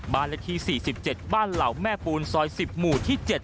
ละที่๔๗บ้านเหล่าแม่ปูนซอย๑๐หมู่ที่๗